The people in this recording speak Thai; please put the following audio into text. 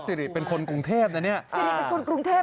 ริเป็นคนกรุงเทพนะเนี่ยซิริเป็นคนกรุงเทพ